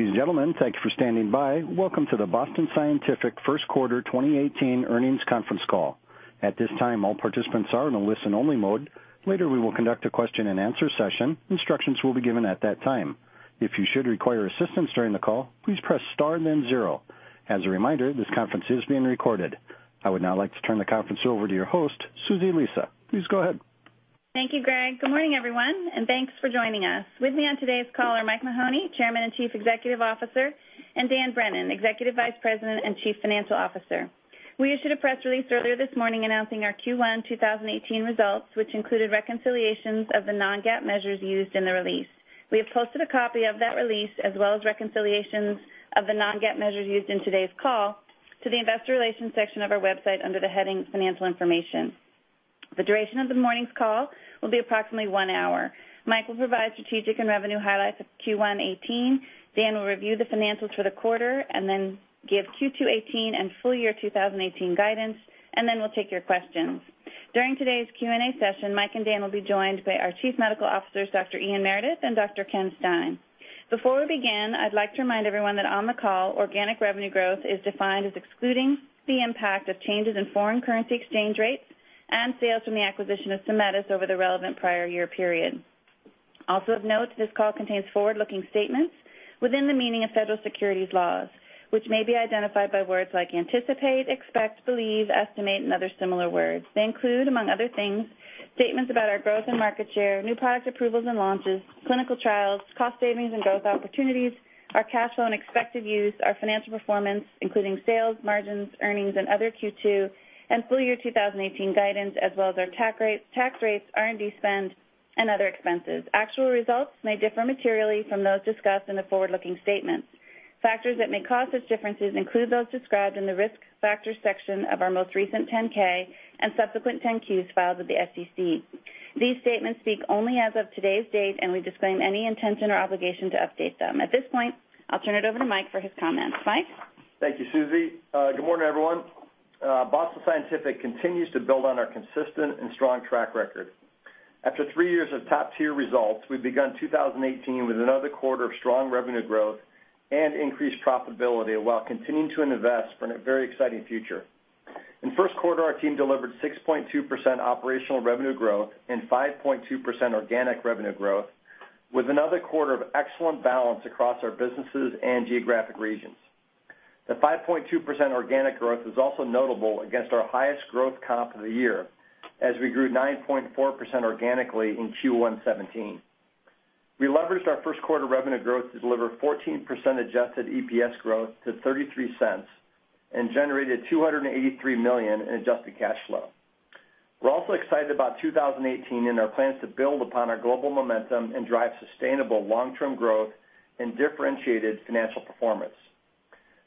Ladies and gentlemen, thank you for standing by. Welcome to the Boston Scientific First Quarter 2018 Earnings Conference Call. At this time, all participants are in a listen-only mode. Later, we will conduct a question-and-answer session. Instructions will be given at that time. If you should require assistance during the call, please press star then zero. As a reminder, this conference is being recorded. I would now like to turn the conference over to your host, Susan Lisa. Please go ahead. Thank you, Greg. Good morning, everyone, thanks for joining us. With me on today's call are Michael Mahoney, Chairman and Chief Executive Officer, and Daniel Brennan, Executive Vice President and Chief Financial Officer. We issued a press release earlier this morning announcing our Q1 2018 results, which included reconciliations of the non-GAAP measures used in the release. We have posted a copy of that release, as well as reconciliations of the non-GAAP measures used in today's call to the investor relations section of our website under the heading financial information. The duration of the morning's call will be approximately one hour. Mike will provide strategic and revenue highlights of Q1 2018. Dan will review the financials for the quarter and then give Q2 2018 and full year 2018 guidance, and then we'll take your questions. During today's Q&A session, Mike and Dan will be joined by our chief medical officers, Dr. Ian Meredith and Dr. Kenneth Stein. Before we begin, I'd like to remind everyone that on the call, organic revenue growth is defined as excluding the impact of changes in foreign currency exchange rates and sales from the acquisition of Symetis over the relevant prior year period. Also of note, this call contains forward-looking statements within the meaning of federal securities laws, which may be identified by words like anticipate, expect, believe, estimate, and other similar words. They include, among other things, statements about our growth and market share, new product approvals and launches, clinical trials, cost savings and growth opportunities, our cash flow and expected use, our financial performance, including sales, margins, earnings, and other Q2 2018 and full year 2018 guidance, as well as our tax rates, R&D spend, and other expenses. Actual results may differ materially from those discussed in the forward-looking statements. Factors that may cause these differences include those described in the risk factors section of our most recent 10-K and subsequent 10-Q filed with the SEC. These statements speak only as of today's date, and we disclaim any intention or obligation to update them. At this point, I'll turn it over to Mike for his comments. Mike? Thank you, Susie. Good morning, everyone. Boston Scientific continues to build on our consistent and strong track record. After three years of top-tier results, we've begun 2018 with another quarter of strong revenue growth and increased profitability while continuing to invest in a very exciting future. In first quarter, our team delivered 6.2% operational revenue growth and 5.2% organic revenue growth with another quarter of excellent balance across our businesses and geographic regions. The 5.2% organic growth is also notable against our highest growth comp of the year, as we grew 9.4% organically in Q1 2017. We leveraged our first quarter revenue growth to deliver 14% adjusted EPS growth to $0.33 and generated $283 million in adjusted cash flow. We're also excited about 2018 and our plans to build upon our global momentum and drive sustainable long-term growth and differentiated financial performance.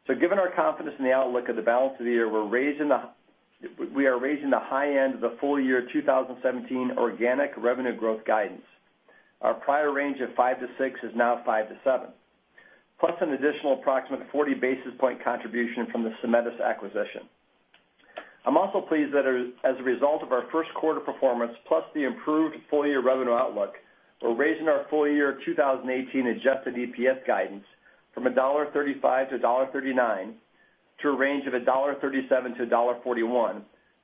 Given our confidence in the outlook of the balance of the year, we are raising the high end of the full year 2017 organic revenue growth guidance. Our prior range of 5%-6% is now 5%-7%, plus an additional approximate 40 basis point contribution from the Symetis acquisition. I'm also pleased that as a result of our first quarter performance, plus the improved full-year revenue outlook, we're raising our full-year 2018 adjusted EPS guidance from $1.35-$1.39 to a range of $1.37-$1.41,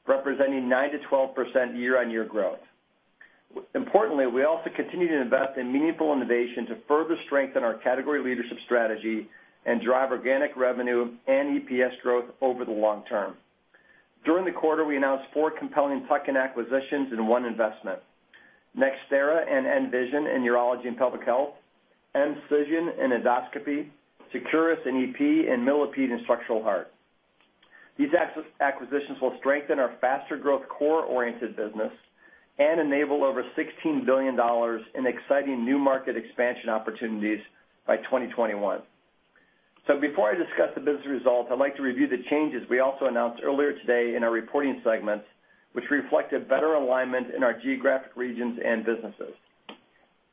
representing 9%-12% year-on-year growth. Importantly, we also continue to invest in meaningful innovation to further strengthen our category leadership strategy and drive organic revenue and EPS growth over the long term. During the quarter, we announced four compelling tuck-in acquisitions and one investment. NxThera and nVision in urology and pelvic health, EMcision in endoscopy, Securus in EP, and Millipede in structural heart. These acquisitions will strengthen our faster growth core-oriented business and enable over $16 billion in exciting new market expansion opportunities by 2021. Before I discuss the business results, I'd like to review the changes we also announced earlier today in our reporting segments, which reflect a better alignment in our geographic regions and businesses.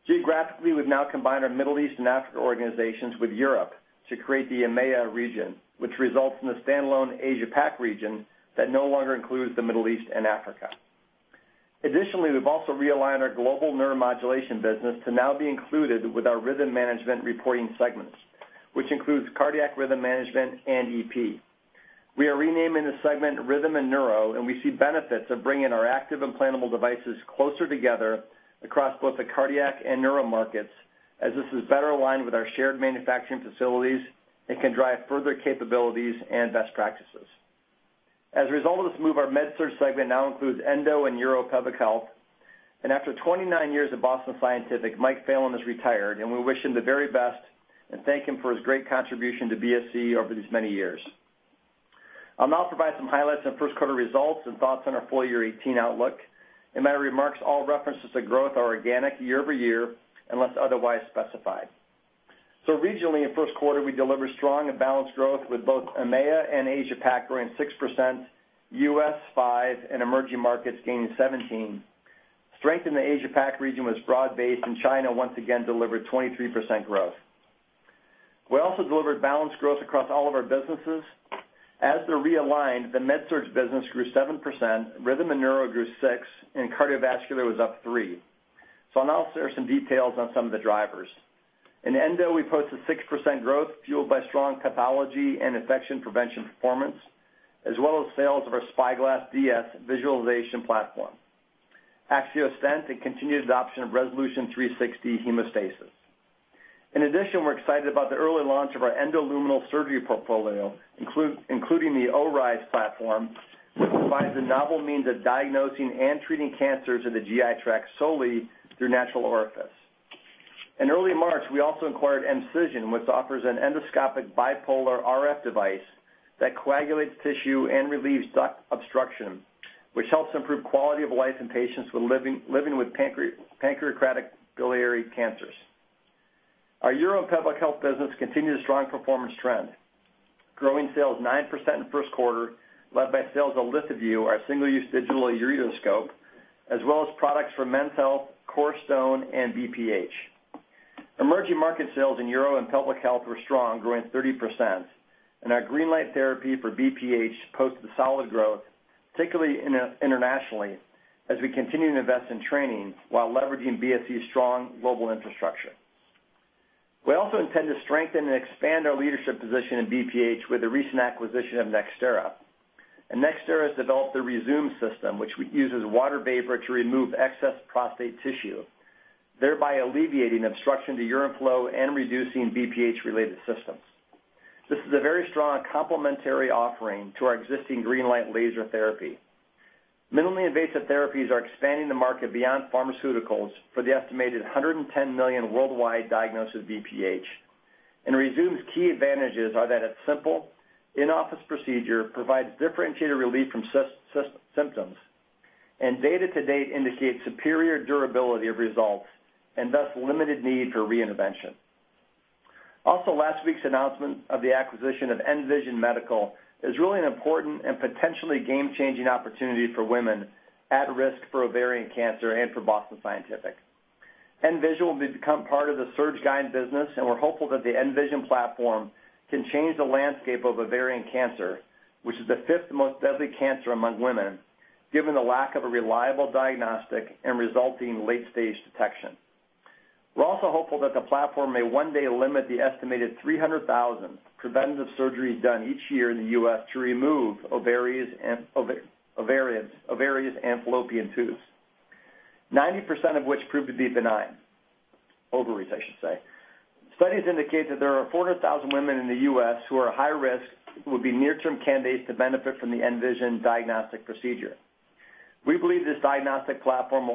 Geographically, we've now combined our Middle East and Africa organizations with Europe to create the EMEA region, which results in the standalone Asia PAC region that no longer includes the Middle East and Africa. Additionally, we've also realigned our global Neuromodulation business to now be included with our Rhythm Management reporting segments, which includes cardiac rhythm management and EP. We are renaming the segment Rhythm and Neuro, and we see benefits of bringing our active implantable devices closer together across both the cardiac and neuro markets, as this is better aligned with our shared manufacturing facilities and can drive further capabilities and best practices. As a result of this move, our MedSurg segment now includes Endo and Uro-Pelvic Health. After 29 years at Boston Scientific, Mike Phelan has retired, and we wish him the very best and thank him for his great contribution to BSC over these many years. I'll now provide some highlights on first quarter results and thoughts on our full year 2018 outlook. In my remarks, all references to growth are organic year-over-year unless otherwise specified. Regionally, in first quarter, we delivered strong and balanced growth with both EMEA and Asia PAC growing 6%, U.S. 5%, and Emerging Markets gaining 17%. Strength in the Asia PAC region was broad-based, China once again delivered 23% growth. We also delivered balanced growth across all of our businesses. As they're realigned, the MedSurg business grew 7%, Rhythm and Neuro grew 6%, cardiovascular was up 3%. I'll now share some details on some of the drivers. In Endo, we posted 6% growth, fueled by strong pathology and infection prevention performance, as well as sales of our SpyGlass DS visualization platform, AXIOS stent and continued adoption of Resolution 360 hemostasis. In addition, we're excited about the early launch of our endoluminal surgery portfolio, including the ORISE platform, which provides a novel means of diagnosing and treating cancers of the GI tract solely through natural orifice. In early March, we also acquired EMcision, which offers an endoscopic bipolar RF device that coagulates tissue and relieves duct obstruction, which helps improve quality of life in patients living with pancreatic biliary cancers. Our uro and pelvic health business continued a strong performance trend, growing sales 9% in the first quarter, led by sales of LithoVue, our single-use digital ureteroscope, as well as products for men's health, CoreStone, and BPH. Emerging market sales in uro and pelvic health were strong, growing 30%, our GreenLight therapy for BPH posted solid growth, particularly internationally, as we continue to invest in training while leveraging BSC's strong global infrastructure. We also intend to strengthen and expand our leadership position in BPH with the recent acquisition of NxThera. NxThera has developed the Rezūm system, which uses water vapor to remove excess prostate tissue, thereby alleviating obstruction to urine flow and reducing BPH-related symptoms. This is a very strong complementary offering to our existing GreenLight laser therapy. Minimally invasive therapies are expanding the market beyond pharmaceuticals for the estimated 110 million worldwide diagnosed with BPH. Rezūm's key advantages are that it's simple, in-office procedure, provides differentiated relief from symptoms, and data to date indicates superior durability of results and thus limited need for re-intervention. Also, last week's announcement of the acquisition of nVision Medical is really an important and potentially game-changing opportunity for women at risk for ovarian cancer and for Boston Scientific. nVision will become part of the MedSurg business, we're hopeful that the nVision platform can change the landscape of ovarian cancer, which is the fifth most deadly cancer among women, given the lack of a reliable diagnostic and resulting late-stage detection. We're also hopeful that the platform may one day limit the estimated 300,000 preventative surgeries done each year in the U.S. to remove ovaries and fallopian tubes, 90% of which prove to be benign. Ovaries, I should say. Studies indicate that there are 400,000 women in the U.S. who are at high risk, who would be near-term candidates to benefit from the nVision diagnostic procedure. We believe this diagnostic platform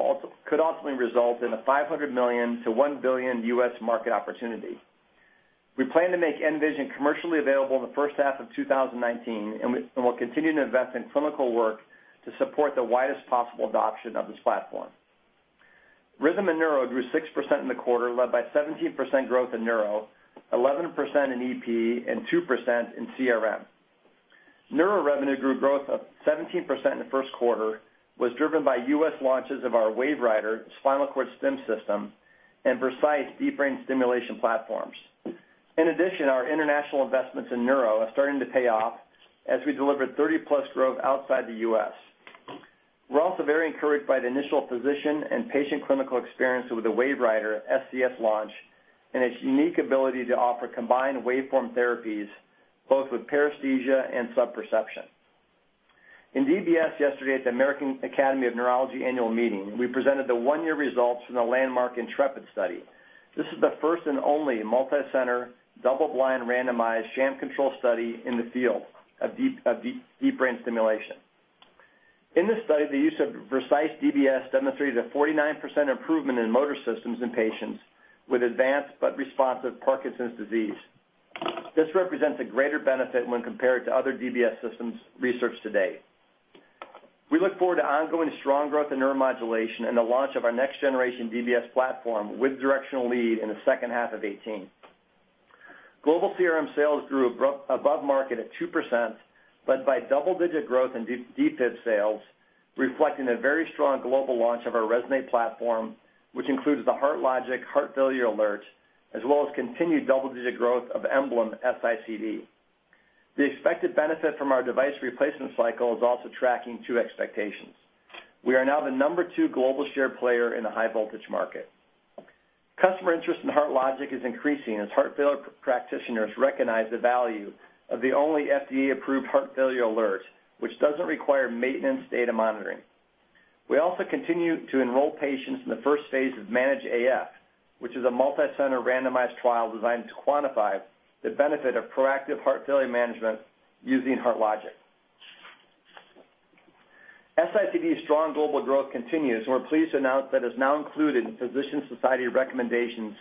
could ultimately result in a $500 million-$1 billion U.S. market opportunity. We plan to make nVision commercially available in the first half of 2019, and we'll continue to invest in clinical work to support the widest possible adoption of this platform. Rhythm and Neuro grew 6% in the quarter, led by 17% growth in Neuro, 11% in EP, and 2% in CRM. Neuro revenue growth of 17% in the first quarter, was driven by U.S. launches of our WaveWriter spinal cord stim system and precise deep brain stimulation platforms. Our international investments in Neuro are starting to pay off as we delivered 30-plus growth outside the U.S. We're also very encouraged by the initial physician and patient clinical experience with the WaveWriter SCS launch and its unique ability to offer combined waveform therapies both with paresthesia and sub-perception. DBS yesterday at the American Academy of Neurology annual meeting, we presented the one-year results from the landmark INTREPID study. This is the first and only multi-center, double-blind, randomized, sham-controlled study in the field of deep brain stimulation. In this study, the use of precise DBS demonstrated a 49% improvement in motor systems in patients with advanced but responsive Parkinson's disease. This represents a greater benefit when compared to other DBS systems research today. We look forward to ongoing strong growth in Neuromodulation and the launch of our next generation DBS platform with directional lead in the second half of 2018. Global CRM sales grew above market at 2%, led by double-digit growth in DFIB sales, reflecting a very strong global launch of our Resonate platform, which includes the HeartLogic heart failure alert, as well as continued double-digit growth of EMBLEM S-ICD. The expected benefit from our device replacement cycle is also tracking to expectations. We are now the number 2 global share player in the high-voltage market. Customer interest in HeartLogic is increasing as heart failure practitioners recognize the value of the only FDA-approved heart failure alert, which doesn't require maintenance data monitoring. We also continue to enroll patients in the first phase of MANAGE-HF, which is a multi-center randomized trial designed to quantify the benefit of proactive heart failure management using HeartLogic. S-ICD's strong global growth continues, and we're pleased to announce that it's now included in physician society recommendations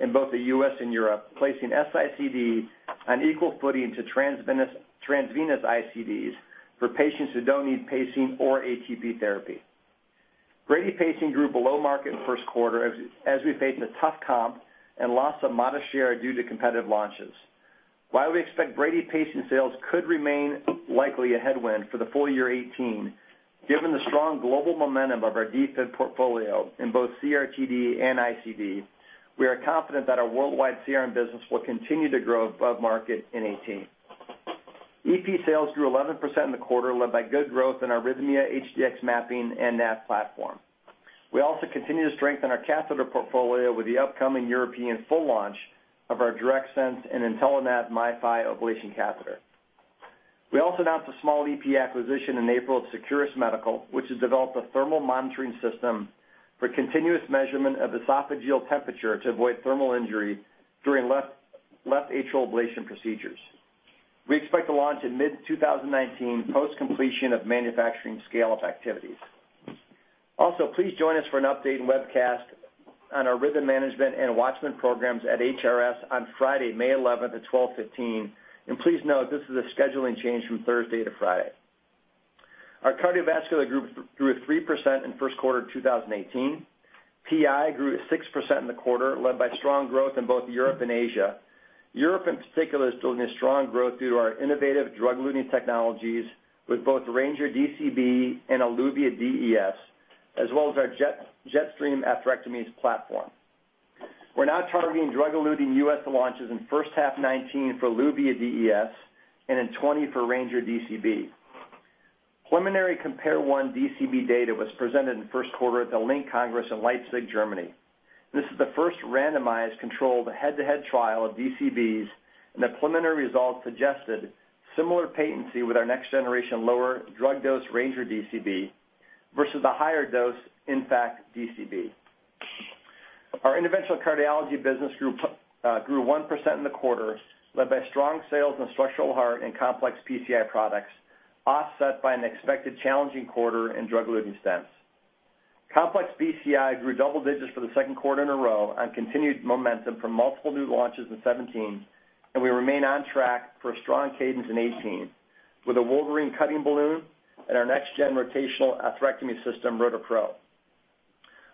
in both the U.S. and Europe, placing S-ICD on equal footing to transvenous ICDs for patients who don't need pacing or ATP therapy. Brady pacing grew below market in the first quarter as we faced a tough comp and lost some modest share due to competitive launches. Brady pacing sales could remain likely a headwind for the full year 2018. Given the strong global momentum of our DFIB portfolio in both CRT-D and ICD, we are confident that our worldwide CRM business will continue to grow above market in 2018. EP sales grew 11% in the quarter, led by good growth in our RHYTHMIA HDx mapping and NAV platform. We also continue to strengthen our catheter portfolio with the upcoming European full launch of our DIRECTSENSE and INTELLANAV MiFi ablation catheter. We also announced a small EP acquisition in April of Securus Medical, which has developed a thermal monitoring system for continuous measurement of esophageal temperature to avoid thermal injury during left atrial ablation procedures. We expect to launch in mid-2019, post completion of manufacturing scale-up activities. Also, please join us for an update and webcast on our rhythm management and WATCHMAN programs at HRS on Friday, May 11th at 12:15 P.M. Please note, this is a scheduling change from Thursday to Friday. Our cardiovascular group grew 3% in first quarter of 2018. PCI grew 6% in the quarter, led by strong growth in both Europe and Asia. Europe in particular is doing a strong growth due to our innovative drug-eluting technologies with both Ranger DCB and Eluvia DES, as well as our Jetstream atherectomy platform. We are now targeting drug-eluting U.S. launches in first half 2019 for Eluvia DES and in 2020 for Ranger DCB. Preliminary Compare One DCB data was presented in the first quarter at the LINC Congress in Leipzig, Germany. This is the first randomized controlled head-to-head trial of DCBs. The preliminary results suggested similar patency with our next generation lower drug dose Ranger DCB versus the higher dose IN.PACT DCB. Our interventional cardiology business grew 1% in the quarter, led by strong sales in structural heart and complex PCI products, offset by an expected challenging quarter in drug-eluting stents. Complex PCI grew double digits for the second quarter in a row on continued momentum from multiple new launches in 2017. We remain on track for a strong cadence in 2018 with a WOLVERINE cutting balloon and our next gen rotational atherectomy system, ROTAPRO.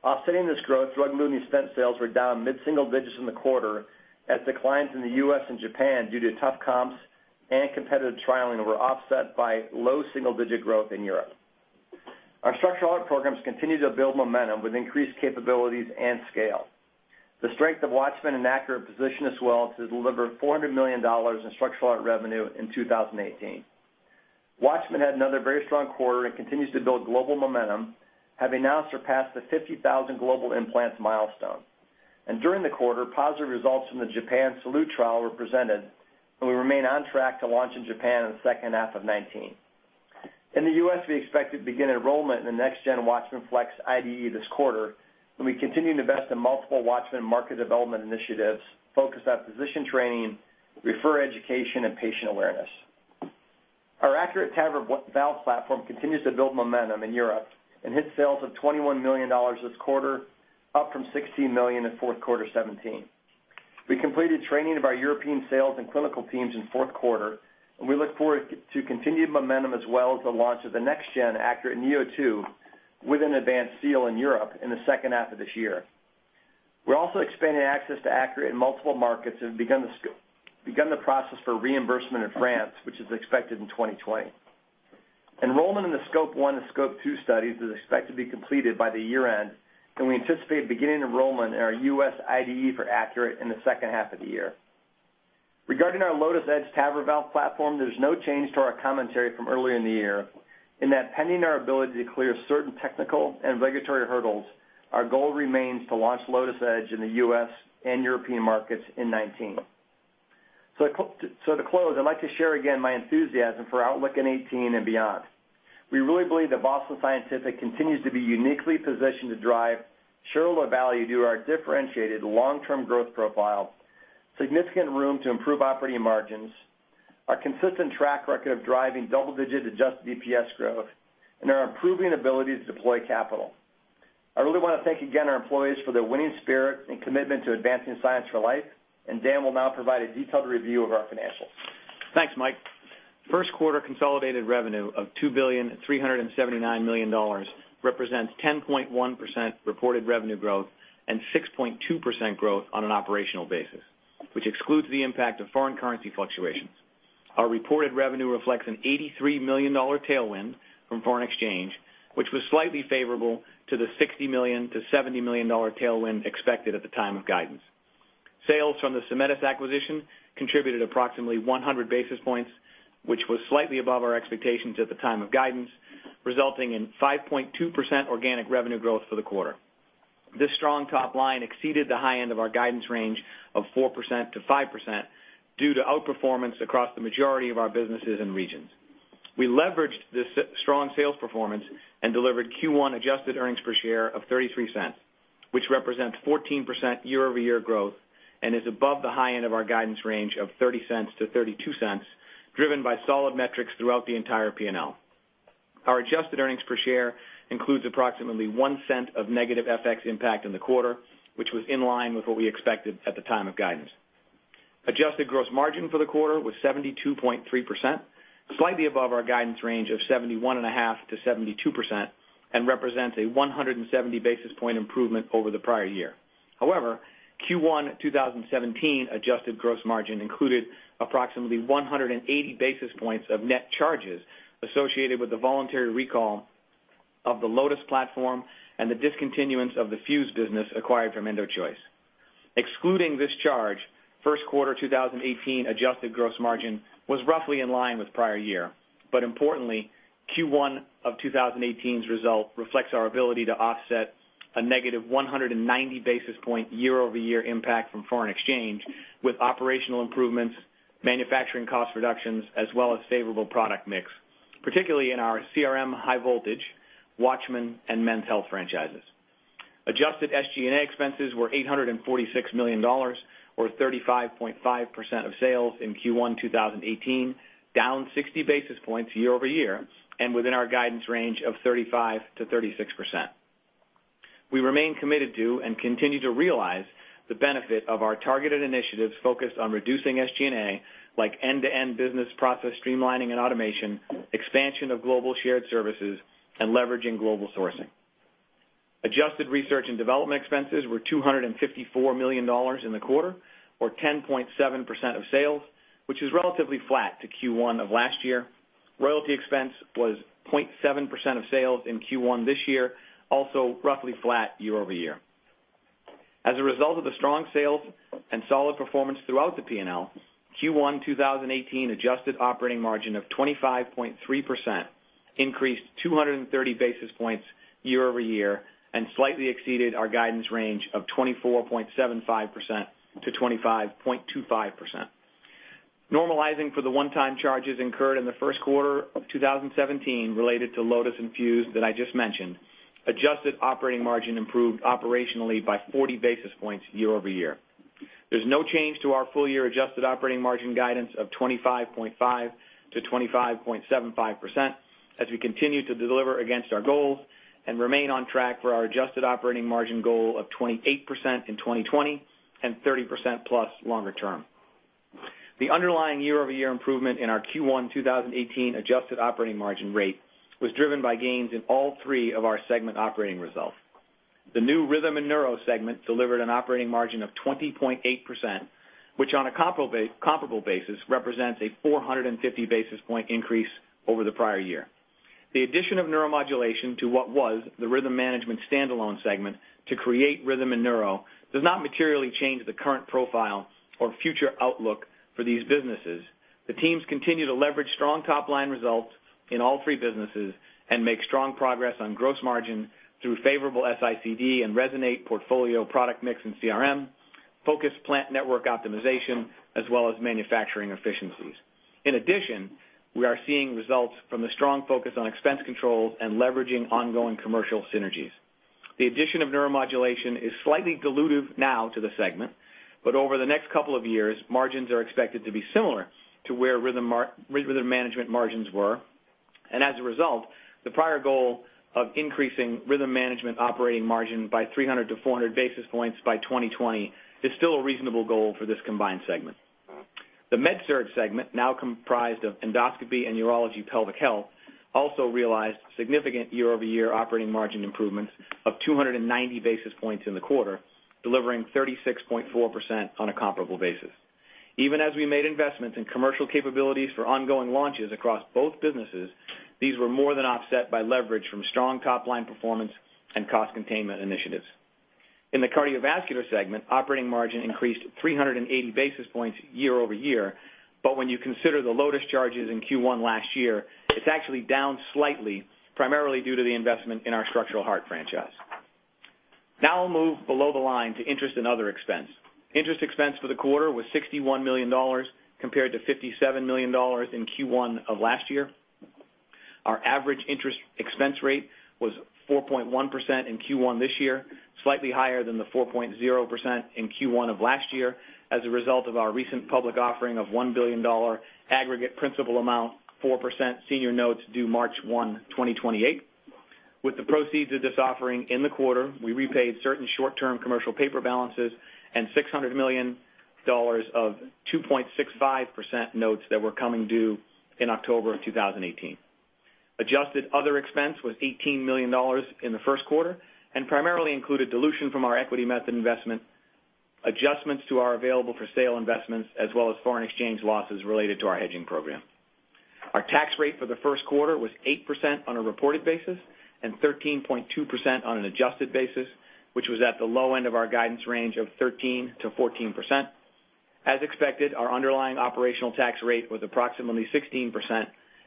Offsetting this growth, drug-eluting stent sales were down mid-single digits in the quarter as declines in the U.S. and Japan due to tough comps and competitive trialing were offset by low single-digit growth in Europe. Our structural heart programs continue to build momentum with increased capabilities and scale. The strength of WATCHMAN and ACURATE position us well to deliver $400 million in structural heart revenue in 2018. WATCHMAN had another very strong quarter and continues to build global momentum, having now surpassed the 50,000 global implants milestone. During the quarter, positive results from the Japan SALUTE trial were presented. We remain on track to launch in Japan in the second half of 2019. In the U.S., we expect to begin enrollment in the next gen WATCHMAN FLX IDE this quarter. We continue to invest in multiple WATCHMAN market development initiatives focused on physician training, referrer education, and patient awareness. Our ACURATE TAVR valve platform continues to build momentum in Europe and hit sales of $21 million this quarter, up from $16 million in fourth quarter 2017. We completed training of our European sales and clinical teams in fourth quarter. We look forward to continued momentum as well as the launch of the next gen ACURATE neo2 with an advanced seal in Europe in the second half of this year. We are also expanding access to ACURATE in multiple markets and have begun the process for reimbursement in France, which is expected in 2020. Enrollment in the SCOPE I and SCOPE II studies is expected to be completed by the year-end. We anticipate beginning enrollment in our U.S. IDE for ACURATE in the second half of the year. Regarding our LOTUS Edge TAVR valve platform, there is no change to our commentary from earlier in the year. Pending our ability to clear certain technical and regulatory hurdles, our goal remains to launch LOTUS Edge in the U.S. and European markets in 2019. To close, I'd like to share again my enthusiasm for outlook in 2018 and beyond. We really believe that Boston Scientific continues to be uniquely positioned to drive shareholder value through our differentiated long-term growth profile, significant room to improve operating margins, our consistent track record of driving double-digit adjusted EPS growth, and our improving ability to deploy capital. I really want to thank again our employees for their winning spirit and commitment to advancing science for life. Dan will now provide a detailed review of our financials. Thanks, Mike. First quarter consolidated revenue of $2.379 billion represents 10.1% reported revenue growth and 6.2% growth on an operational basis, which excludes the impact of foreign currency fluctuations. Our reported revenue reflects an $83 million tailwind from foreign exchange, which was slightly favorable to the $60 million-$70 million tailwind expected at the time of guidance. Sales from the Symetis acquisition contributed approximately 100 basis points, which was slightly above our expectations at the time of guidance, resulting in 5.2% organic revenue growth for the quarter. This strong top line exceeded the high end of our guidance range of 4%-5% due to outperformance across the majority of our businesses and regions. We leveraged this strong sales performance, delivered Q1 adjusted earnings per share of $0.33, which represents 14% year-over-year growth and is above the high end of our guidance range of $0.30-$0.32, driven by solid metrics throughout the entire P&L. Our adjusted earnings per share includes approximately $0.01 of negative FX impact in the quarter, which was in line with what we expected at the time of guidance. Adjusted gross margin for the quarter was 72.3%, slightly above our guidance range of 71.5%-72%, and represents a 170 basis point improvement over the prior year. However, Q1 2017 adjusted gross margin included approximately 180 basis points of net charges associated with the voluntary recall of the Lotus platform and the discontinuance of the FUSE business acquired from EndoChoice. Excluding this charge, first quarter 2018 adjusted gross margin was roughly in line with prior year. Importantly, Q1 2018's result reflects our ability to offset a negative 190 basis point year-over-year impact from foreign exchange with operational improvements, manufacturing cost reductions, as well as favorable product mix, particularly in our CRM high voltage, WATCHMAN, and men's health franchises. Adjusted SG&A expenses were $846 million, or 35.5% of sales in Q1 2018, down 60 basis points year-over-year, and within our guidance range of 35%-36%. We remain committed to, and continue to realize, the benefit of our targeted initiatives focused on reducing SG&A, like end-to-end business process streamlining and automation, expansion of global shared services, and leveraging global sourcing. Adjusted research and development expenses were $254 million in the quarter, or 10.7% of sales, which is relatively flat to Q1 of last year. Royalty expense was 0.7% of sales in Q1 this year, also roughly flat year-over-year. As a result of the strong sales and solid performance throughout the P&L, Q1 2018 adjusted operating margin of 25.3% increased 230 basis points year-over-year and slightly exceeded our guidance range of 24.75%-25.25%. Normalizing for the one-time charges incurred in the first quarter of 2017 related to Lotus and FUSE that I just mentioned, adjusted operating margin improved operationally by 40 basis points year-over-year. There's no change to our full year adjusted operating margin guidance of 25.5%-25.75% as we continue to deliver against our goals and remain on track for our adjusted operating margin goal of 28% in 2020 and 30% plus longer term. The underlying year-over-year improvement in our Q1 2018 adjusted operating margin rate was driven by gains in all three of our segment operating results. The new Rhythm and Neuro segment delivered an operating margin of 20.8%, which on a comparable basis, represents a 450 basis point increase over the prior year. The addition of Neuromodulation to what was the Rhythm Management standalone segment to create Rhythm and Neuro does not materially change the current profile or future outlook for these businesses. The teams continue to leverage strong top-line results in all three businesses and make strong progress on gross margin through favorable S-ICD and Resonate portfolio product mix in CRM, focused plant network optimization, as well as manufacturing efficiencies. In addition, we are seeing results from the strong focus on expense controls and leveraging ongoing commercial synergies. The addition of Neuromodulation is slightly dilutive now to the segment, but over the next couple of years, margins are expected to be similar to where Rhythm Management margins were. As a result, the prior goal of increasing Rhythm Management operating margin by 300-400 basis points by 2020 is still a reasonable goal for this combined segment. The MedSurg segment, now comprised of Endoscopy and urology pelvic health, also realized significant year-over-year operating margin improvements of 290 basis points in the quarter, delivering 36.4% on a comparable basis. Even as we made investments in commercial capabilities for ongoing launches across both businesses, these were more than offset by leverage from strong top-line performance and cost containment initiatives. In the cardiovascular segment, operating margin increased 380 basis points year-over-year, but when you consider the Lotus charges in Q1 last year, it's actually down slightly, primarily due to the investment in our structural heart franchise. Now I'll move below the line to interest and other expense. Interest expense for the quarter was $61 million, compared to $57 million in Q1 of last year. Our average interest expense rate was 4.1% in Q1 this year, slightly higher than the 4.0% in Q1 of last year as a result of our recent public offering of $1 billion aggregate principal amount, 4% senior notes due March 1, 2028. With the proceeds of this offering in the quarter, we repaid certain short-term commercial paper balances and $600 million of 2.65% notes that were coming due in October of 2018. Adjusted other expense was $18 million in the first quarter and primarily included dilution from our equity method investment, adjustments to our available for sale investments, as well as foreign exchange losses related to our hedging program. Our tax rate for the first quarter was 8% on a reported basis and 13.2% on an adjusted basis, which was at the low end of our guidance range of 13%-14%. As expected, our underlying operational tax rate was approximately 16%,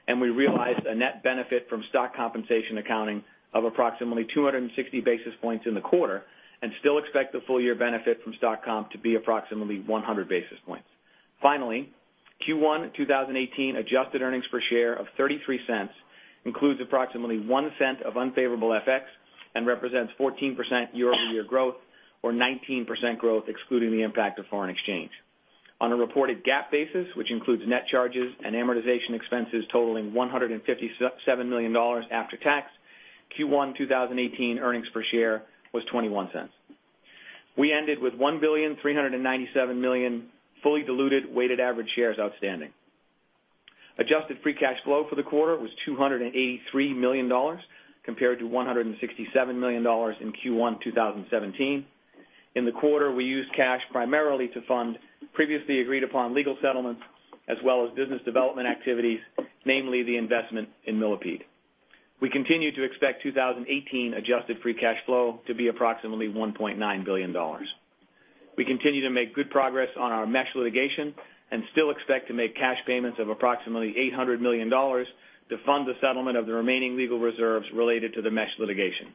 and we realized a net benefit from stock compensation accounting of approximately 260 basis points in the quarter, and still expect the full year benefit from stock comp to be approximately 100 basis points. Finally, Q1 2018 adjusted earnings per share of $0.33 includes approximately $0.01 of unfavorable FX and represents 14% year-over-year growth, or 19% growth excluding the impact of foreign exchange. On a reported GAAP basis, which includes net charges and amortization expenses totaling $157 million after tax, Q1 2018 earnings per share was $0.21. We ended with 1,397,000,000 fully diluted weighted average shares outstanding. Adjusted free cash flow for the quarter was $283 million compared to $167 million in Q1 2017. In the quarter, we used cash primarily to fund previously agreed-upon legal settlements as well as business development activities, namely the investment in Millipede. We continue to expect 2018 adjusted free cash flow to be approximately $1.9 billion. We continue to make good progress on our mesh litigation and still expect to make cash payments of approximately $800 million to fund the settlement of the remaining legal reserves related to the mesh litigation.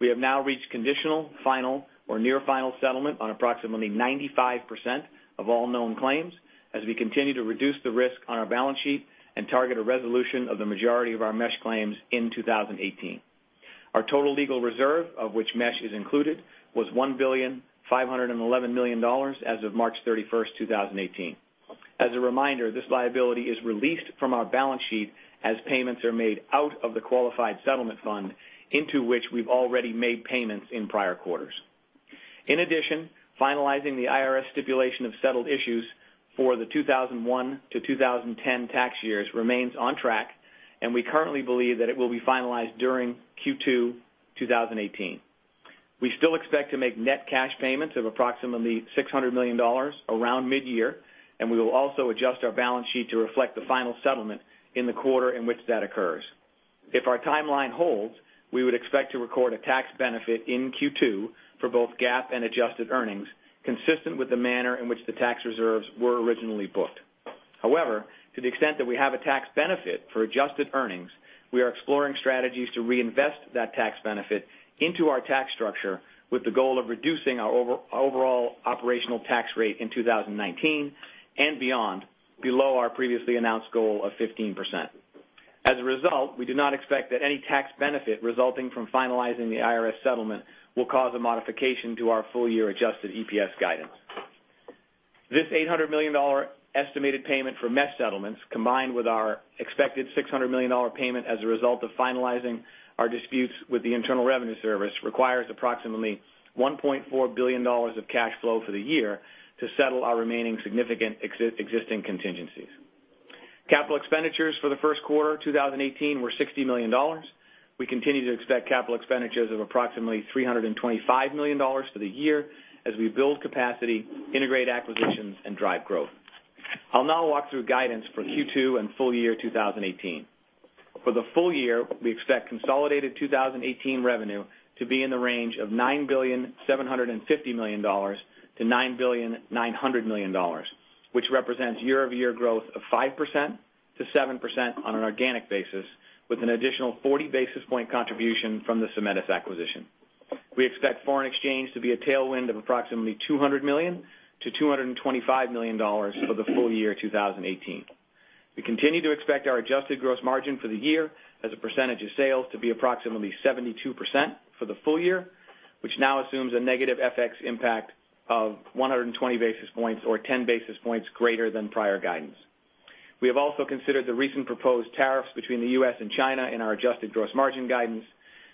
We have now reached conditional, final, or near final settlement on approximately 95% of all known claims as we continue to reduce the risk on our balance sheet and target a resolution of the majority of our mesh claims in 2018. Our total legal reserve, of which mesh is included, was $1.511 billion, as of March 31st, 2018. As a reminder, this liability is released from our balance sheet as payments are made out of the qualified settlement fund into which we've already made payments in prior quarters. In addition, finalizing the IRS stipulation of settled issues for the 2001 to 2010 tax years remains on track, and we currently believe that it will be finalized during Q2 2018. We still expect to make net cash payments of approximately $600 million around mid-year, and we will also adjust our balance sheet to reflect the final settlement in the quarter in which that occurs. If our timeline holds, we would expect to record a tax benefit in Q2 for both GAAP and adjusted earnings, consistent with the manner in which the tax reserves were originally booked. To the extent that we have a tax benefit for adjusted earnings, we are exploring strategies to reinvest that tax benefit into our tax structure with the goal of reducing our overall operational tax rate in 2019 and beyond below our previously announced goal of 15%. We do not expect that any tax benefit resulting from finalizing the IRS settlement will cause a modification to our full-year adjusted EPS guidance. This $800 million estimated payment for mesh settlements, combined with our expected $600 million payment as a result of finalizing our disputes with the Internal Revenue Service, requires approximately $1.4 billion of cash flow for the year to settle our remaining significant existing contingencies. Capital expenditures for the first quarter 2018 were $60 million. We continue to expect capital expenditures of approximately $325 million for the year as we build capacity, integrate acquisitions, and drive growth. I'll now walk through guidance for Q2 and full year 2018. For the full year, we expect consolidated 2018 revenue to be in the range of $9.75 billion-$9.9 billion, which represents year-over-year growth of 5%-7% on an organic basis with an additional 40 basis point contribution from the Symetis acquisition. We expect foreign exchange to be a tailwind of approximately $200 million-$225 million for the full year 2018. We continue to expect our adjusted gross margin for the year as a percentage of sales to be approximately 72% for the full year, which now assumes a negative FX impact of 120 basis points or 10 basis points greater than prior guidance. We have also considered the recent proposed tariffs between the U.S. and China in our adjusted gross margin guidance.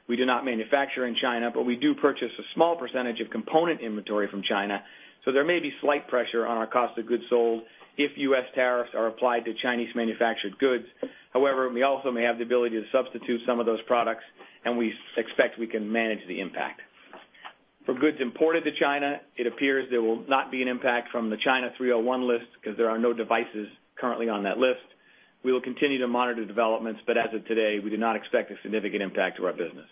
We do not manufacture in China, but we do purchase a small percentage of component inventory from China, so there may be slight pressure on our cost of goods sold if U.S. tariffs are applied to Chinese manufactured goods. However, we also may have the ability to substitute some of those products, and we expect we can manage the impact. For goods imported to China, it appears there will not be an impact from the China 301 list because there are no devices currently on that list. We will continue to monitor developments, but as of today, we do not expect a significant impact to our business.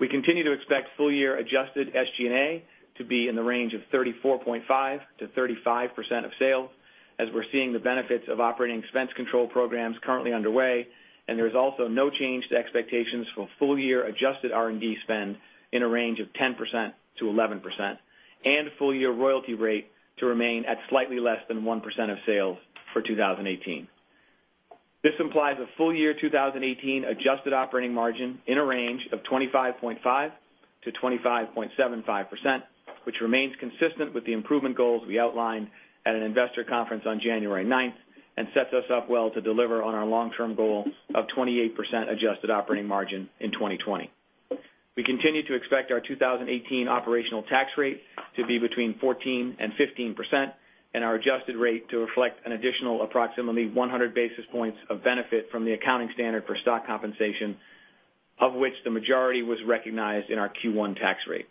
We continue to expect full year adjusted SG&A to be in the range of 34.5%-35% of sales as we're seeing the benefits of operating expense control programs currently underway. There is also no change to expectations for full year adjusted R&D spend in a range of 10%-11%, and full year royalty rate to remain at slightly less than 1% of sales for 2018. This implies a full year 2018 adjusted operating margin in a range of 25.5%-25.75%, which remains consistent with the improvement goals we outlined at an investor conference on January 9th and sets us up well to deliver on our long-term goal of 28% adjusted operating margin in 2020. We continue to expect our 2018 operational tax rate to be between 14% and 15%. Our adjusted rate to reflect an additional approximately 100 basis points of benefit from the accounting standard for stock compensation, of which the majority was recognized in our Q1 tax rate.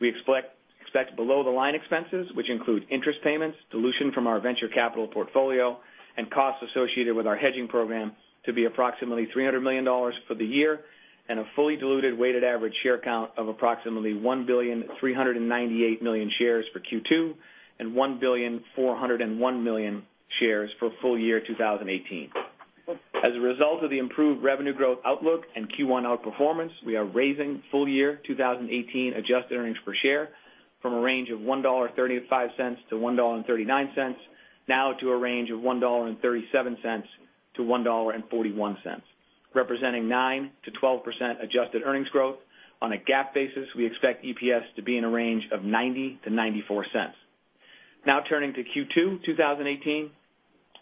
We expect below-the-line expenses, which include interest payments, dilution from our venture capital portfolio, and costs associated with our hedging program to be approximately $300 million for the year and a fully diluted weighted average share count of approximately 1,398 million shares for Q2 and 1,401 million shares for full year 2018. As a result of the improved revenue growth outlook and Q1 outperformance, we are raising full year 2018 adjusted earnings per share from a range of $1.35-$1.39 now to a range of $1.37-$1.41, representing 9%-12% adjusted earnings growth. On a GAAP basis, we expect EPS to be in a range of $0.90-$0.94. Turning to Q2 2018,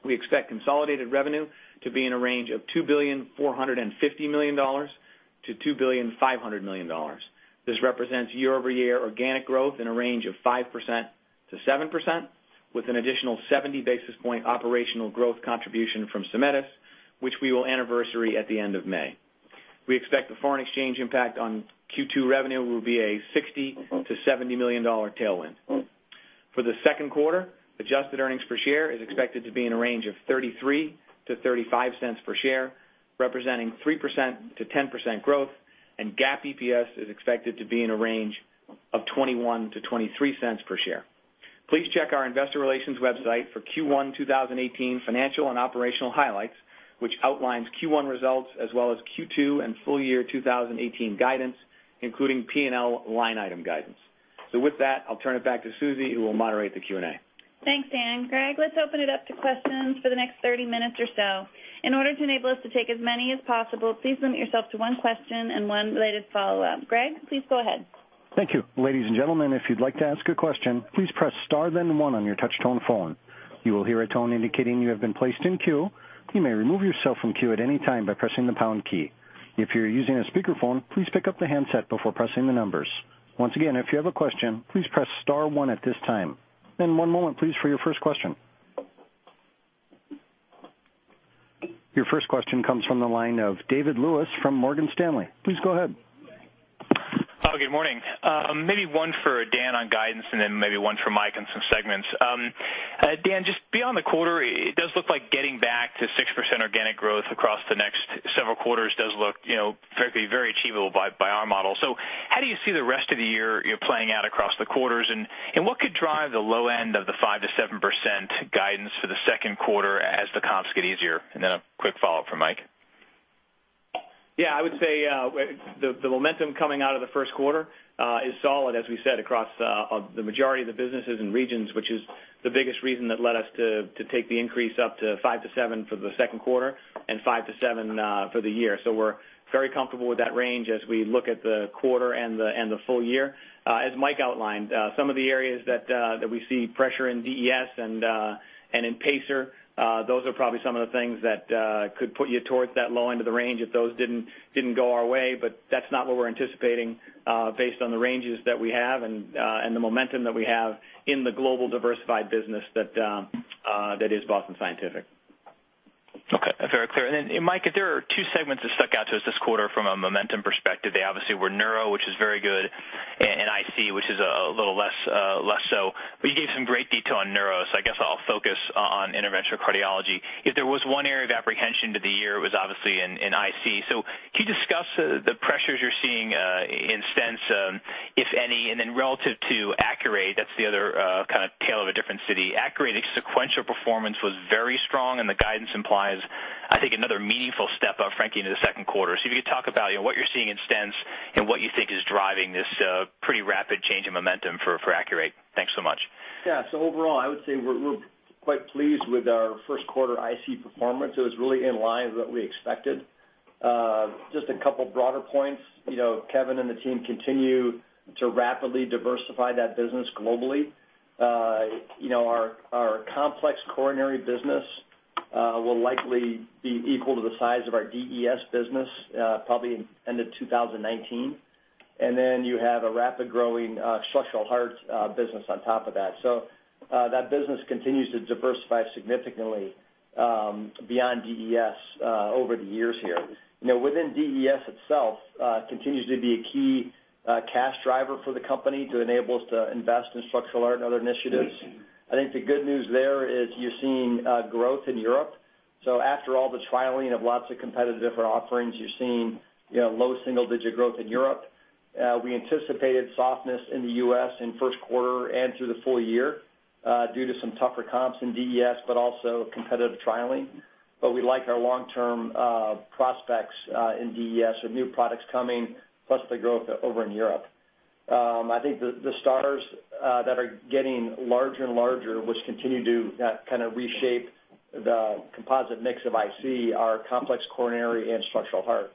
we expect consolidated revenue to be in a range of $2.45 billion-$2.5 billion. This represents year-over-year organic growth in a range of 5%-7% with an additional 70 basis points operational growth contribution from Symetis, which we will anniversary at the end of May. We expect the foreign exchange impact on Q2 revenue will be a $60 million-$70 million tailwind. For the second quarter, adjusted earnings per share is expected to be in a range of $0.33-$0.35 per share, representing 3%-10% growth, and GAAP EPS is expected to be in a range of $0.21-$0.23 per share. Please check our investor relations website for Q1 2018 financial and operational highlights, which outlines Q1 results as well as Q2 and full year 2018 guidance, including P&L line item guidance. With that, I'll turn it back to Susie, who will moderate the Q&A. Thanks, Dan. Greg, let's open it up to questions for the next 30 minutes or so. In order to enable us to take as many as possible, please limit yourself to one question and one related follow-up. Greg, please go ahead. Thank you. Ladies and gentlemen, if you'd like to ask a question, please press star then one on your touch-tone phone. You will hear a tone indicating you have been placed in queue. You may remove yourself from queue at any time by pressing the pound key. If you are using a speakerphone, please pick up the handset before pressing the numbers. Once again, if you have a question, please press star one at this time. One moment, please, for your first question. Your first question comes from the line of David Lewis from Morgan Stanley. Please go ahead. Good morning. Maybe one for Dan on guidance and then maybe one for Mike in some segments. Dan, just beyond the quarter, it does look like getting back to 6% organic growth across the next several quarters does look very achievable by our model. How do you see the rest of the year playing out across the quarters? What could drive the low end of the 5%-7% guidance for the second quarter as the comps get easier? A quick follow-up for Mike. I would say the momentum coming out of the first quarter is solid, as we said, across the majority of the businesses and regions, which is the biggest reason that led us to take the increase up to 5%-7% for the second quarter and 5%-7% for the year. We're very comfortable with that range as we look at the quarter and the full year. As Mike outlined, some of the areas that we see pressure in DES and in pacer, those are probably some of the things that could put you towards that low end of the range if those didn't go our way. That's not what we're anticipating based on the ranges that we have and the momentum that we have in the global diversified business that is Boston Scientific. Okay, very clear. Mike, there are two segments that stuck out to us this quarter from a momentum perspective. They obviously were neuro, which is very good, and IC, which is a little less so. You gave some great detail on neuro, I guess I'll focus on interventional cardiology. If there was one area of apprehension to the year, it was obviously in IC. Can you discuss the pressures you're seeing in stents, if any, and then relative to ACURATE, that's the other kind of tale of a different city. ACURATE, its sequential performance was very strong and the guidance implies, I think, another meaningful step up, frankly, into the second quarter. If you could talk about what you're seeing in stents and what you think is driving this pretty rapid change in momentum for ACURATE. Thanks so much. Overall, I would say we're quite pleased with our first quarter IC performance. It was really in line with what we expected. Just a couple broader points. Kevin and the team continue to rapidly diversify that business globally. Our complex coronary business will likely be equal to the size of our DES business probably end of 2019. You have a rapid growing structural heart business on top of that. That business continues to diversify significantly beyond DES over the years here. Within DES itself, continues to be a key cash driver for the company to enable us to invest in structural heart and other initiatives. I think the good news there is you're seeing growth in Europe. After all the trialing of lots of competitive different offerings, you're seeing low single digit growth in Europe. We anticipated softness in the U.S. in first quarter and through the full year due to some tougher comps in DES, competitive trialing. We like our long-term prospects in DES with new products coming, plus the growth over in Europe. I think the stars that are getting larger and larger, which continue to kind of reshape the composite mix of IC, are complex coronary and structural heart.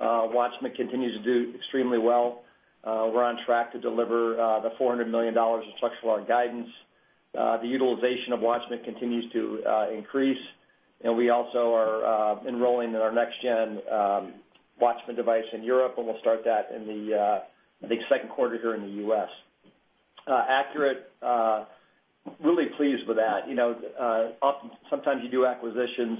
WATCHMAN continues to do extremely well. We're on track to deliver the $400 million in structural heart guidance. The utilization of WATCHMAN continues to increase, and we also are enrolling in our next-gen WATCHMAN device in Europe, and we'll start that in the second quarter here in the U.S. ACURATE, really pleased with that. Sometimes you do acquisitions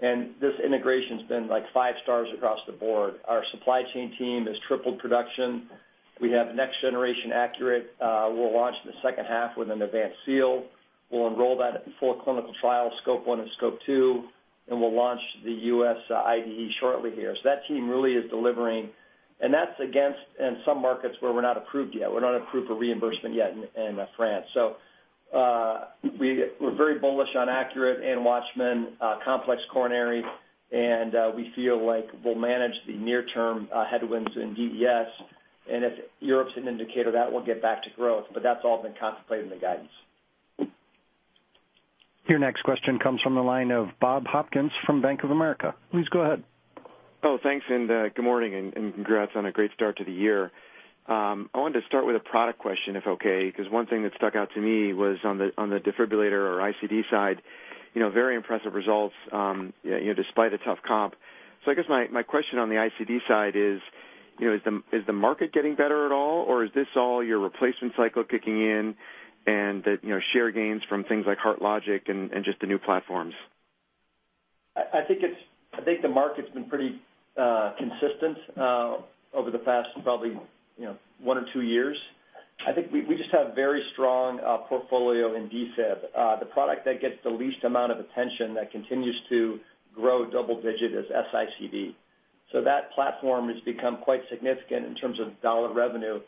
and this integration's been five stars across the board. Our supply chain team has tripled production. We have next-generation ACURATE we'll launch in the second half with an advanced seal. We'll enroll that in four clinical trials, SCOPE I and SCOPE II, and we'll launch the U.S. IDE shortly here. That team really is delivering, and that's against in some markets where we're not approved yet. We're not approved for reimbursement yet in France. We're very bullish on ACURATE and WATCHMAN complex coronary, and we feel like we'll manage the near-term headwinds in DES. If Europe's an indicator, that will get back to growth. That's all been contemplated in the guidance. Your next question comes from the line of Bob Hopkins from Bank of America. Please go ahead. Thanks, good morning, congrats on a great start to the year. I wanted to start with a product question, if okay, because one thing that stuck out to me was on the defibrillator or ICD side, very impressive results despite a tough comp. I guess my question on the ICD side is Is the market getting better at all, or is this all your replacement cycle kicking in and the share gains from things like HeartLogic and just the new platforms? The market's been pretty consistent over the past probably one or two years. I think we just have very strong portfolio in DFIB. The product that gets the least amount of attention that continues to grow double digit is S-ICD. That platform has become quite significant in terms of dollar revenue,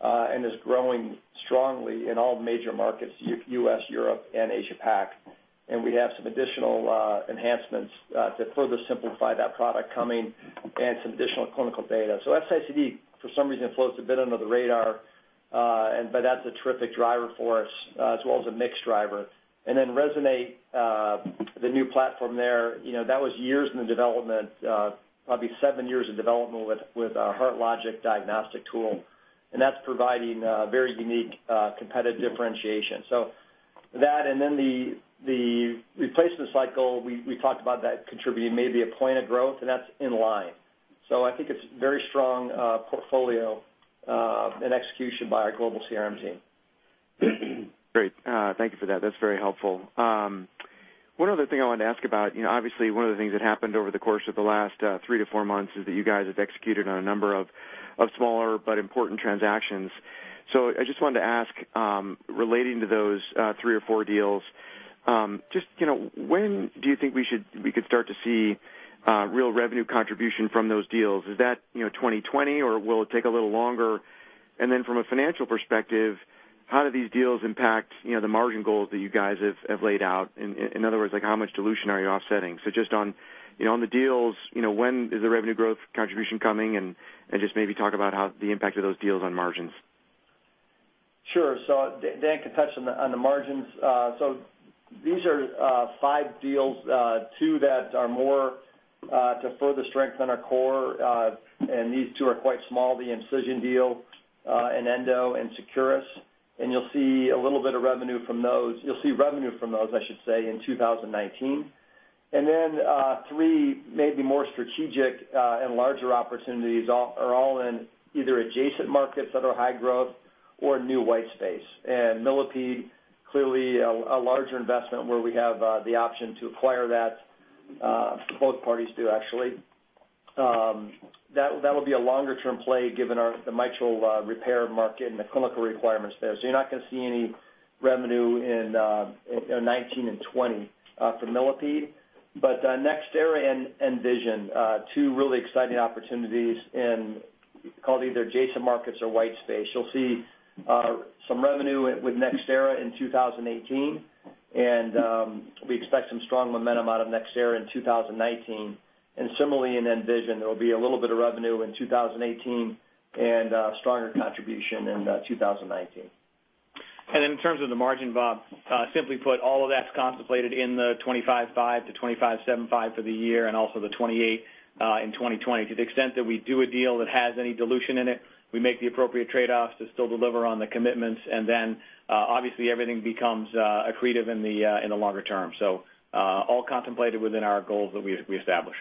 and is growing strongly in all major markets, U.S., Europe, and Asia PAC. We have some additional enhancements to further simplify that product coming and some additional clinical data. S-ICD, for some reason, floats a bit under the radar, but that's a terrific driver for us as well as a mix driver. Resonate, the new platform there, that was years in the development, probably seven years of development with HeartLogic diagnostic tool, and that's providing a very unique competitive differentiation. That, and then the replacement cycle, we talked about that contributing maybe one point of growth, and that's in line. I think it's very strong portfolio and execution by our global CRM team. Great. Thank you for that. That's very helpful. One other thing I wanted to ask about, obviously, one of the things that happened over the course of the last three to four months is that you guys have executed on a number of smaller but important transactions. I just wanted to ask, relating to those three or four deals, just when do you think we could start to see real revenue contribution from those deals? Is that 2020, or will it take a little longer? From a financial perspective, how do these deals impact the margin goals that you guys have laid out? In other words, how much dilution are you offsetting? Just on the deals, when is the revenue growth contribution coming, and just maybe talk about how the impact of those deals on margins. Sure. Dan can touch on the margins. These are five deals, two that are more to further strengthen our core, and these two are quite small, the EMcision deal and Endo and Securus. You'll see a little bit of revenue from those. You'll see revenue from those, I should say, in 2019. Three maybe more strategic and larger opportunities are all in either adjacent markets that are high growth or new white space. Millipede, clearly a larger investment where we have the option to acquire that. Both parties do, actually. That will be a longer-term play given the mitral repair market and the clinical requirements there. You're not going to see any revenue in 2019 and 2020 for Millipede. NxThera and nVision, two really exciting opportunities in call it either adjacent markets or white space. You'll see some revenue with NxThera in 2018, we expect some strong momentum out of NxThera in 2019. Similarly in nVision, there'll be a little bit of revenue in 2018 and stronger contribution in 2019. In terms of the margin, Bob, simply put, all of that's contemplated in the 25.5%-25.75% for the year and also the 28% in 2020. To the extent that we do a deal that has any dilution in it, we make the appropriate trade-offs to still deliver on the commitments, then obviously everything becomes accretive in the longer term. All contemplated within our goals that we establish.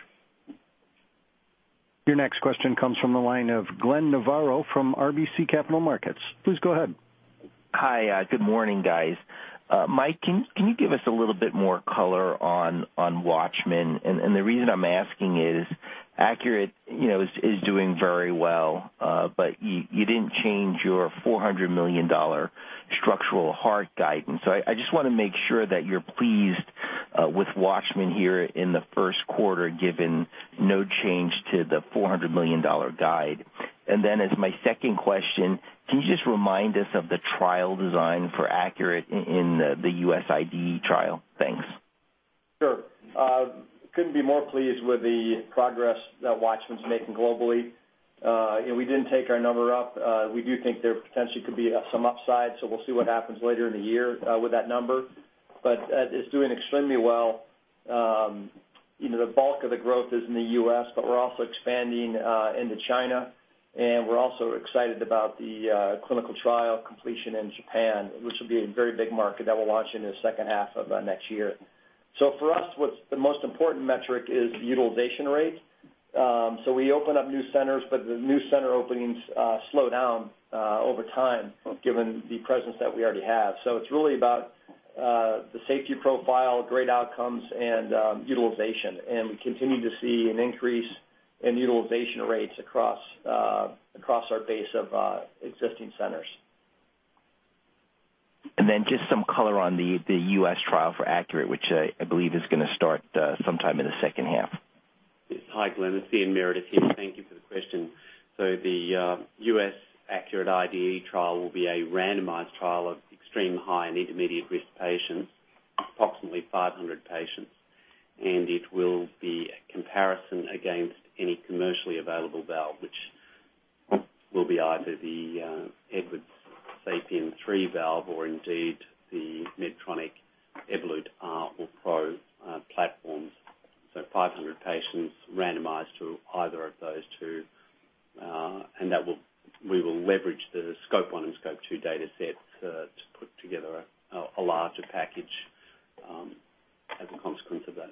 Your next question comes from the line of Glenn Novarro from RBC Capital Markets. Please go ahead. Hi. Good morning, guys. Mike, can you give us a little bit more color on WATCHMAN? The reason I'm asking is, ACURATE is doing very well, but you didn't change your $400 million structural heart guidance. I just want to make sure that you're pleased with WATCHMAN here in the first quarter, given no change to the $400 million guide. Then as my second question, can you just remind us of the trial design for ACURATE in the U.S. IDE trial? Thanks. Sure. Couldn't be more pleased with the progress that WATCHMAN's making globally. We didn't take our number up. We do think there potentially could be some upside, we'll see what happens later in the year with that number. It's doing extremely well. The bulk of the growth is in the U.S., we're also expanding into China, we're also excited about the clinical trial completion in Japan, which will be a very big market that we'll launch in the second half of next year. For us, the most important metric is the utilization rate. We open up new centers, the new center openings slow down over time given the presence that we already have. It's really about the safety profile, great outcomes, and utilization. We continue to see an increase in utilization rates across our base of existing centers. Just some color on the U.S. trial for ACURATE, which I believe is going to start sometime in the second half. Hi, Glenn. It's Ian Meredith here. Thank you for the question. The U.S. ACURATE IDE trial will be a randomized trial of extreme high and intermediate risk patients, approximately 500 patients. It will be a comparison against any commercially available valve, which will be either the Edwards SAPIEN 3 valve or indeed the Medtronic Evolut R or PRO platforms. 500 patients randomized to either of those two, we will leverage the SCOPE I and SCOPE II data sets to put together a larger package as a consequence of that.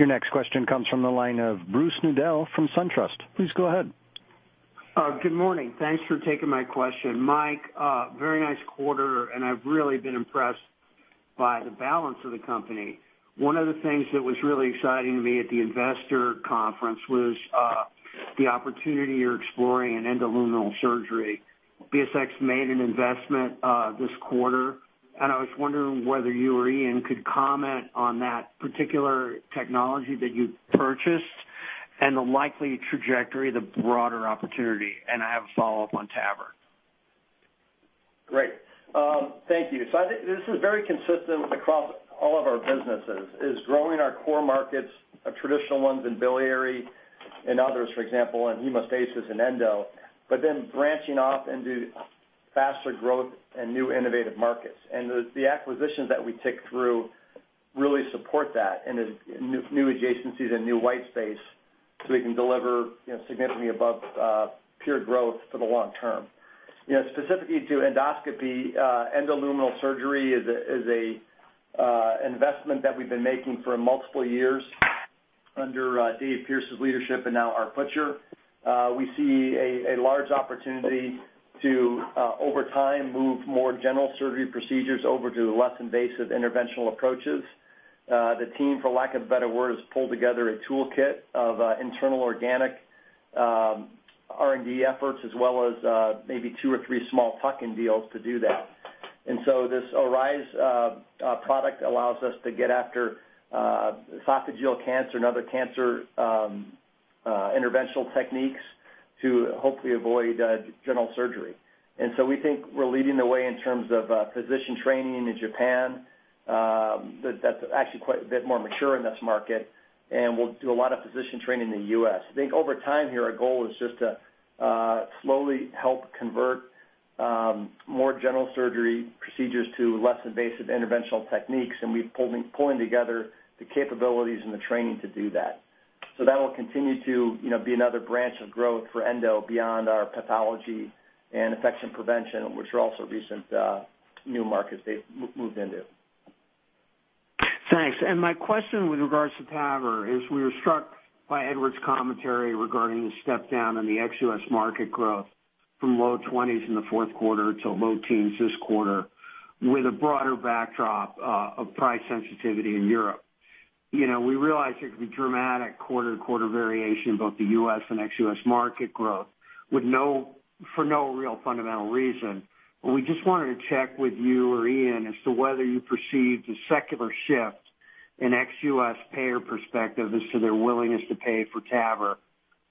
Your next question comes from the line of Bruce Nudell from SunTrust. Please go ahead. Good morning. Thanks for taking my question. Mike, very nice quarter, I've really been impressed by the balance of the company. One of the things that was really exciting to me at the investor conference was the opportunity you're exploring in endoluminal surgery. BSX made an investment this quarter, I was wondering whether you or Ian could comment on that particular technology that you purchased and the likely trajectory, the broader opportunity. I have a follow-up on TAVR. Great. Thank you. I think this is very consistent across all of our businesses, is growing our core markets, our traditional ones in biliary and others, for example, in hemostasis and endo, branching off into faster growth and new innovative markets. The acquisitions that we tick through really support that and new adjacencies and new white space so we can deliver significantly above pure growth for the long term. Specifically to endoscopy, endoluminal surgery is an investment that we've been making for multiple years under David Pierce's leadership and now Arthur Butcher. We see a large opportunity to, over time, move more general surgery procedures over to less invasive interventional approaches. The team, for lack of a better word, has pulled together a toolkit of internal organic R&D efforts, as well as maybe two or three small tuck-in deals to do that. This Agile product allows us to get after esophageal cancer and other cancer interventional techniques to hopefully avoid general surgery. We think we're leading the way in terms of physician training in Japan. That's actually quite a bit more mature in this market, we'll do a lot of physician training in the U.S. I think over time here, our goal is just to slowly help convert more general surgery procedures to less invasive interventional techniques, we're pulling together the capabilities and the training to do that. That will continue to be another branch of growth for endo beyond our pathology and infection prevention, which are also recent new markets they've moved into. Thanks. My question with regards to TAVR is we were struck by Edwards Lifesciences' commentary regarding the step down in the ex-U.S. market growth from low 20s in the fourth quarter to low teens this quarter with a broader backdrop of price sensitivity in Europe. We realize there could be dramatic quarter-to-quarter variation in both the U.S. and ex-U.S. market growth for no real fundamental reason. We just wanted to check with you or Ian as to whether you perceive the secular shift in ex-U.S. payer perspective as to their willingness to pay for TAVR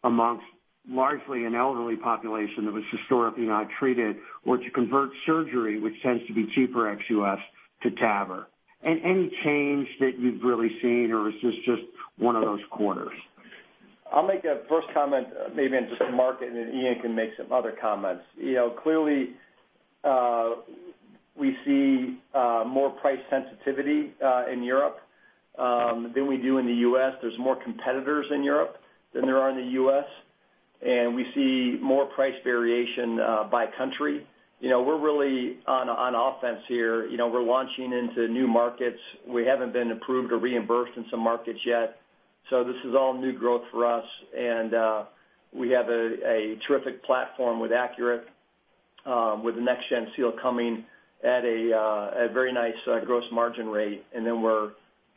amongst largely an elderly population that was historically not treated, or to convert surgery, which tends to be cheaper ex-U.S. to TAVR. Any change that you've really seen, or is this just one of those quarters? I'll make a first comment maybe on just the market, then Ian can make some other comments. Clearly, we see more price sensitivity in Europe than we do in the U.S. There's more competitors in Europe than there are in the U.S., and we see more price variation by country. We're really on offense here. We're launching into new markets. We haven't been approved or reimbursed in some markets yet. This is all new growth for us, and we have a terrific platform with ACURATE, with the next gen seal coming at a very nice gross margin rate.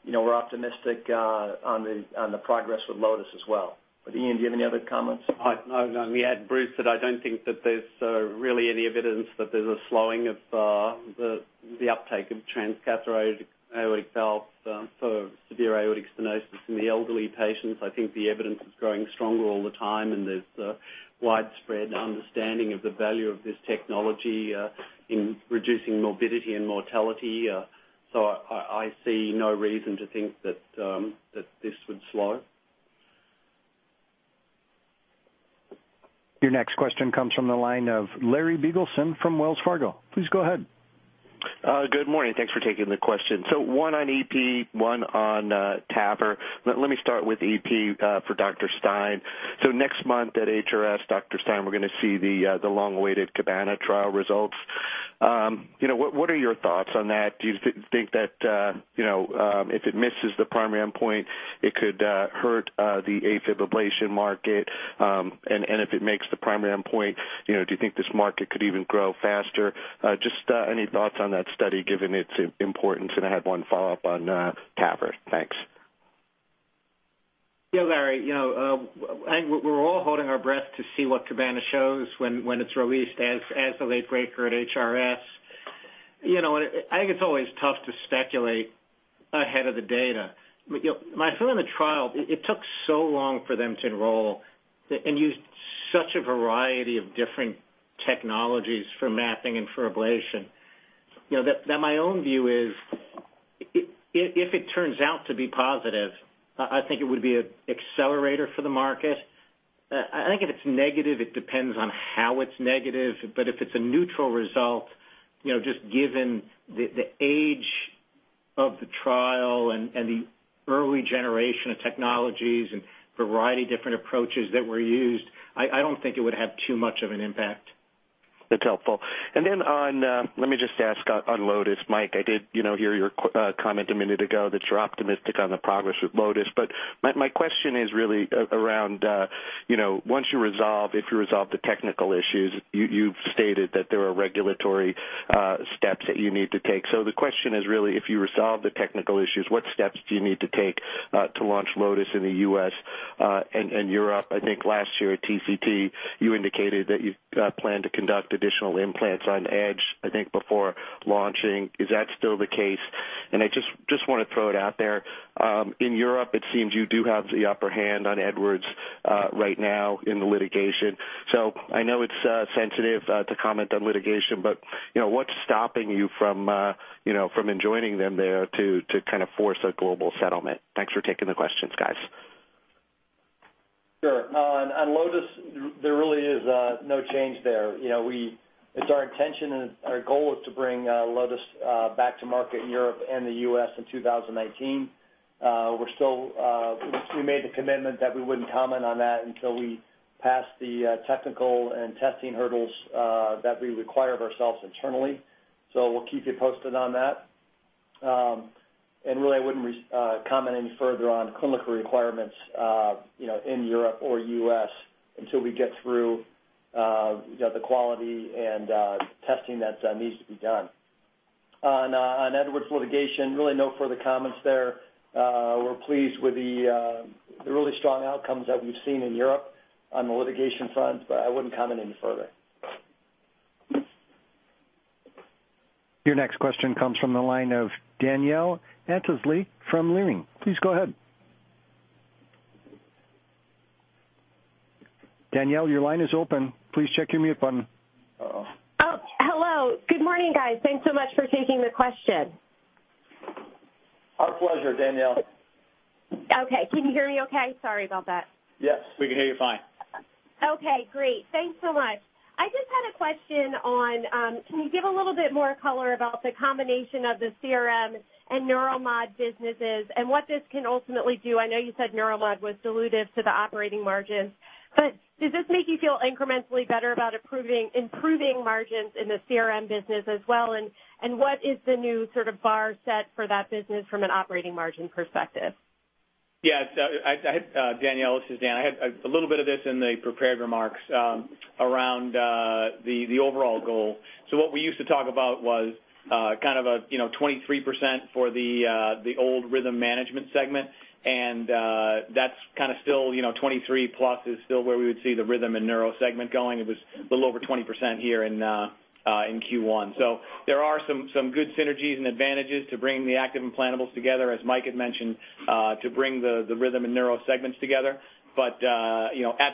We're optimistic on the progress with Lotus as well. Ian, do you have any other comments? No. To add, Bruce, that I don't think that there's really any evidence that there's a slowing of the uptake of transcatheter aortic valve for severe aortic stenosis in the elderly patients. I think the evidence is growing stronger all the time, and there's a widespread understanding of the value of this technology in reducing morbidity and mortality. I see no reason to think that this would slow. Your next question comes from the line of Larry Biegelsen from Wells Fargo. Please go ahead. Good morning. Thanks for taking the question. One on EP, one on TAVR. Let me start with EP for Dr. Stein. Next month at HRS, Dr. Stein, we're going to see the long-awaited CABANA trial results. What are your thoughts on that? Do you think that if it misses the primary endpoint, it could hurt the AFib ablation market? If it makes the primary endpoint, do you think this market could even grow faster? Just any thoughts on that study, given its importance? I have one follow-up on TAVR. Thanks. Larry. We're all holding our breath to see what CABANA shows when it's released as the late breaker at HRS. I think it's always tough to speculate ahead of the data. My feeling on the trial, it took so long for them to enroll and used such a variety of different technologies for mapping and for ablation. That my own view is if it turns out to be positive, I think it would be an accelerator for the market. I think if it's negative, it depends on how it's negative. If it's a neutral result, just given the age of the trial and the early generation of technologies and variety of different approaches that were used, I don't think it would have too much of an impact. That's helpful. Let me just ask on Lotus, Mike, I did hear your comment a minute ago that you're optimistic on the progress with Lotus, my question is really around, once you resolve the technical issues, you've stated that there are regulatory steps that you need to take. The question is really, if you resolve the technical issues, what steps do you need to take to launch Lotus in the U.S. and Europe? I think last year at TCT, you indicated that you plan to conduct additional implants on Edge, I think, before launching. Is that still the case? I just want to throw it out there. In Europe, it seems you do have the upper hand on Edwards right now in the litigation. I know it's sensitive to comment on litigation, what's stopping you from enjoining them there to kind of force a global settlement? Thanks for taking the questions, guys. Sure. On Lotus, there really is no change there. It's our intention and our goal is to bring Lotus back to market in Europe and the U.S. in 2019. We made the commitment that we wouldn't comment on that until we passed the technical and testing hurdles that we require of ourselves internally. We'll keep you posted on that. Really, I wouldn't comment any further on clinical requirements in Europe or U.S. until we get through the quality and testing that needs to be done. On Edwards litigation, really no further comments there. We're pleased with the really strong outcomes that we've seen in Europe on the litigation front, I wouldn't comment any further. Your next question comes from the line of Danielle Antalffy from Leerink. Please go ahead. Danielle, your line is open. Please check your mute button. Uh-oh. Hello. Good morning, guys. Thanks so much for taking the question. Our pleasure, Danielle. Okay. Can you hear me okay? Sorry about that. Yes. We can hear you fine. Okay, great. Thanks so much. I just had a question on, can you give a little bit more color about the combination of the CRM and Neuromodulation businesses and what this can ultimately do? Does this make you feel incrementally better about improving margins in the CRM business as well, and what is the new sort of bar set for that business from an operating margin perspective? Yes. Danielle, this is Dan. I had a little bit of this in the prepared remarks around the overall goal. What we used to talk about was kind of a 23% for the old rhythm management segment, and that's kind of still 23+ is still where we would see the Rhythm and Neuro segment going. It was a little over 20% here in Q1. There are some good synergies and advantages to bringing the active implantables together, as Mike had mentioned, to bring the Rhythm and Neuro segments together. At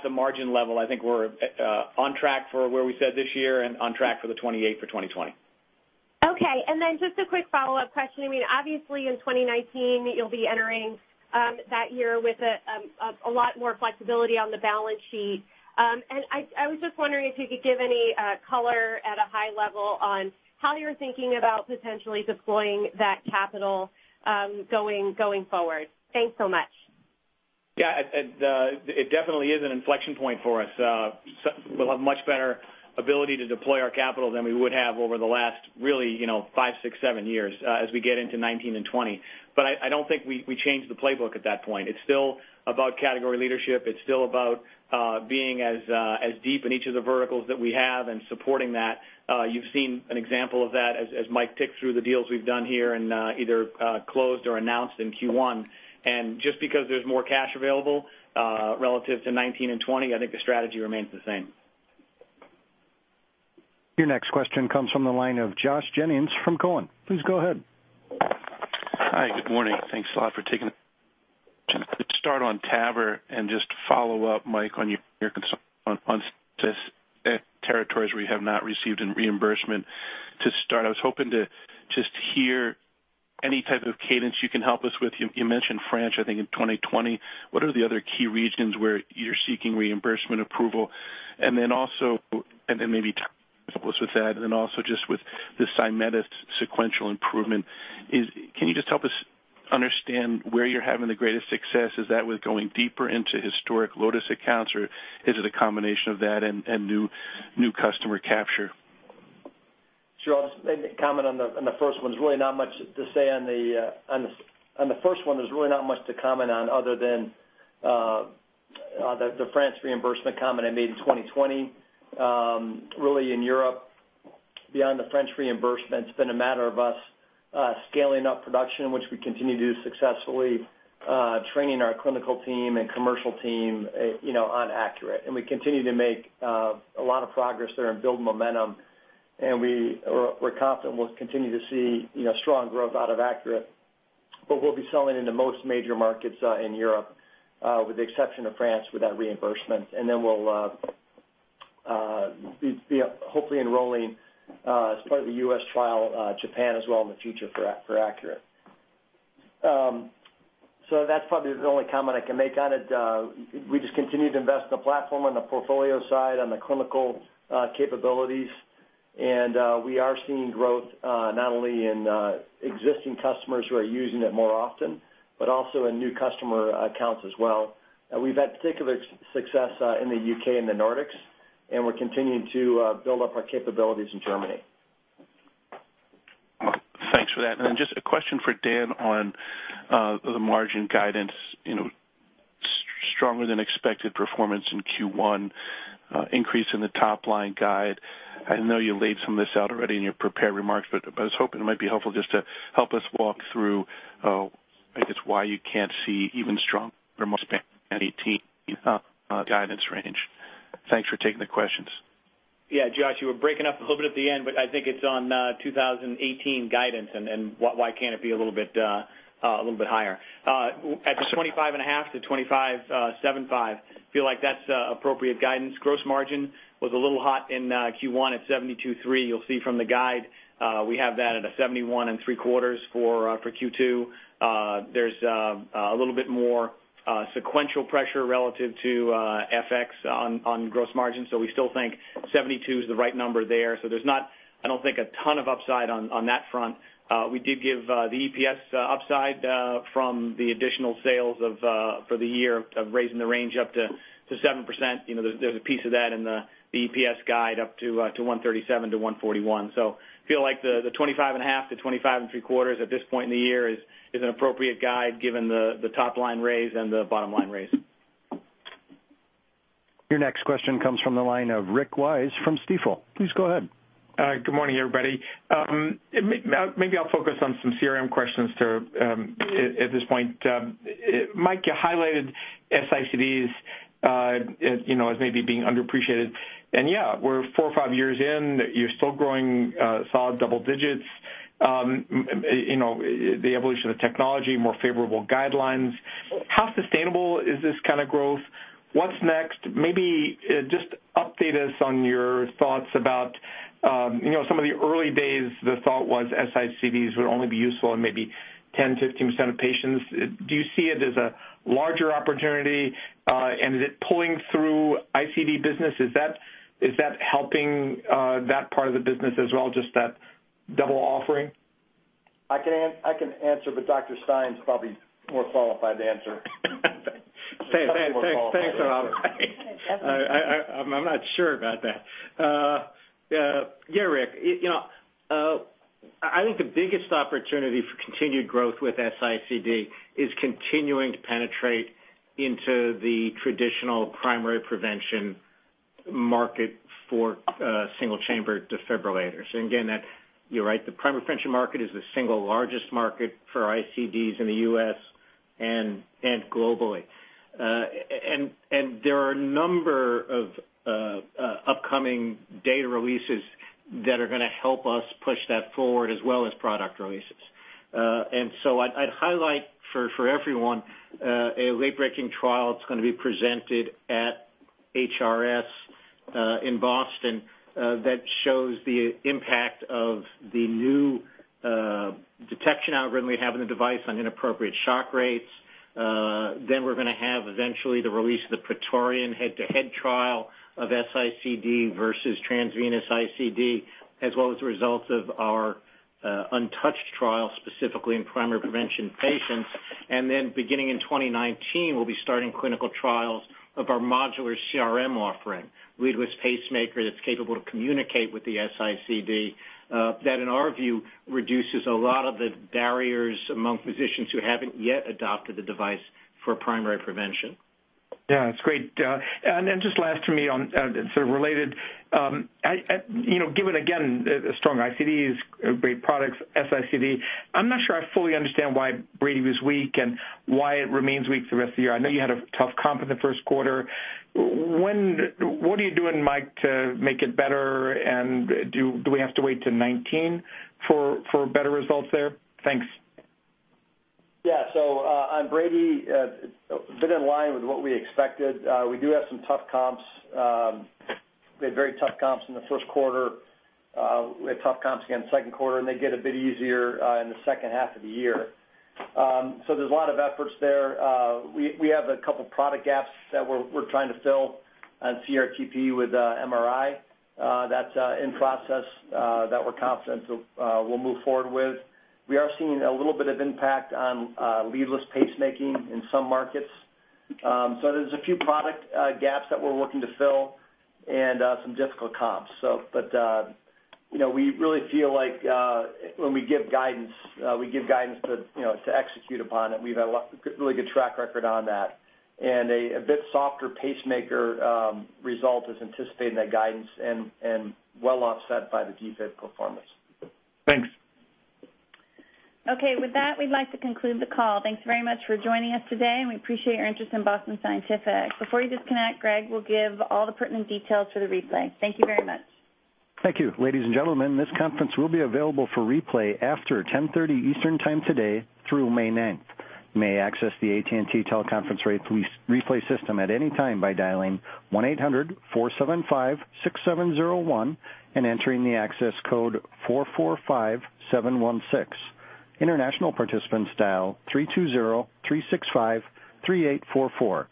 the margin level, I think we're on track for where we said this year and on track for the 28% for 2020. Okay. Just a quick follow-up question. Obviously in 2019, you'll be entering that year with a lot more flexibility on the balance sheet. I was just wondering if you could give any color at a high level on how you're thinking about potentially deploying that capital going forward. Thanks so much. Yeah, it definitely is an inflection point for us. We'll have much better ability to deploy our capital than we would have over the last really, five, six, seven years as we get into 2019 and 2020. I don't think we change the playbook at that point. It's still about category leadership. It's still about being as deep in each of the verticals that we have and supporting that. You've seen an example of that as Mike ticked through the deals we've done here and either closed or announced in Q1. Just because there's more cash available relative to 2019 and 2020, I think the strategy remains the same. Your next question comes from the line of Josh Jennings from Cowen. Please go ahead. Hi. Good morning. Thanks a lot for taking the start on TAVR and just follow up, Mike, on your concern on territories where you have not received a reimbursement. To start, I was hoping to just hear any type of cadence you can help us with. You mentioned France, I think in 2020. What are the other key regions where you're seeking reimbursement approval? And then also, and then maybe help us with that, and then also just with the Symetis sequential improvement, can you just help us understand where you're having the greatest success? Is that with going deeper into historic Lotus accounts, or is it a combination of that and new customer capture? Sure. I'll just maybe comment on the first one. There's really not much to comment on other than the France reimbursement comment I made in 2020. Really in Europe, beyond the French reimbursement, it's been a matter of us scaling up production, which we continue to do successfully, training our clinical team and commercial team on ACURATE. We continue to make a lot of progress there and build momentum, and we're confident we'll continue to see strong growth out of ACURATE. We'll be selling in the most major markets in Europe, with the exception of France with that reimbursement. We'll be hopefully enrolling as part of the U.S. trial, Japan as well in the future for ACURATE. That's probably the only comment I can make on it. We just continue to invest in the platform on the portfolio side, on the clinical capabilities. We are seeing growth not only in existing customers who are using it more often, but also in new customer accounts as well. We've had particular success in the U.K. and the Nordics, and we're continuing to build up our capabilities in Germany. Thanks for that. Then just a question for Dan on the margin guidance, stronger than expected performance in Q1, increase in the top-line guide. I know you laid some of this out already in your prepared remarks, but I was hoping it might be helpful just to help us walk through, I guess, why you can't see even stronger guidance range. Thanks for taking the questions. Yeah, Josh, you were breaking up a little bit at the end, but I think it's on 2018 guidance and why can't it be a little bit higher. At the 25.5%-25.75%, feel like that's appropriate guidance. Gross margin was a little hot in Q1 at 72.3%. You'll see from the guide, we have that at a 71.75% for Q2. There's a little bit more sequential pressure relative to FX on gross margin. We still think 72% is the right number there. There's not, I don't think, a ton of upside on that front. We did give the EPS upside from the additional sales for the year of raising the range up to 7%. There's a piece of that in the EPS guide up to $1.37-$1.41. Feel like the 25.5%-25.75% at this point in the year is an appropriate guide given the top-line raise and the bottom-line raise. Your next question comes from the line of Rick Wise from Stifel. Please go ahead. Good morning, everybody. Maybe I'll focus on some CRM questions at this point. Mike, you highlighted S-ICDs, as maybe being underappreciated. Yeah, we're four or five years in, you're still growing solid double digits. The evolution of technology, more favorable guidelines. How sustainable is this kind of growth? What's next? Maybe just update us on your thoughts about some of the early days, the thought was S-ICDs would only be useful in maybe 10%-15% of patients. Do you see it as a larger opportunity? Is it pulling through ICD business? Is that helping that part of the business as well, just that double offering? I can answer, Dr. Stein's probably more qualified to answer. Thanks a lot. I'm not sure about that. Yeah, Rick, I think the biggest opportunity for continued growth with S-ICD is continuing to penetrate into the traditional primary prevention market for single-chamber defibrillators. Again, you're right, the primary prevention market is the single largest market for ICDs in the U.S. and globally. There are a number of upcoming data releases that are going to help us push that forward as well as product releases. So I'd highlight for everyone, a late-breaking trial that's going to be presented at HRS in Boston that shows the impact of the new detection algorithm we have in the device on inappropriate shock rates. Then we're going to have eventually the release of the PRAETORIAN head-to-head trial of S-ICD versus transvenous ICD, as well as the results of our UNTOUCHED trial, specifically in primary prevention patients. Beginning in 2019, we'll be starting clinical trials of our modular CRM offering. Leadless pacemaker that's capable to communicate with the S-ICD, that in our view, reduces a lot of the barriers among physicians who haven't yet adopted the device for primary prevention. Yeah, that's great. Just last for me on, sort of related. Given again, the strong ICDs, great products, S-ICD, I'm not sure I fully understand why Brady was weak and why it remains weak the rest of the year. I know you had a tough comp in the first quarter. What are you doing, Mike, to make it better? Do we have to wait till 2019 for better results there? Thanks. Yeah. On Brady, a bit in line with what we expected. We do have some tough comps. We had very tough comps in the first quarter. We had tough comps again second quarter, and they get a bit easier in the second half of the year. There's a lot of efforts there. We have a couple product gaps that we're trying to fill on CRT-P with MRI. That's in process that we're confident we'll move forward with. We are seeing a little bit of impact on leadless pacemaking in some markets. There's a few product gaps that we're working to fill and some difficult comps. We really feel like when we give guidance, we give guidance to execute upon it. We've had a really good track record on that. A bit softer pacemaker result is anticipating that guidance and well offset by the DFIB performance. Thanks. Okay, with that, we'd like to conclude the call. Thanks very much for joining us today, and we appreciate your interest in Boston Scientific. Before you disconnect, Greg will give all the pertinent details for the replay. Thank you very much. Thank you. Ladies and gentlemen, this conference will be available for replay after 10:30 Eastern Time today through May 9th. You may access the AT&T teleconference replay system at any time by dialing 1-800-475-6701 and entering the access code 445716. International participants dial 3203653844.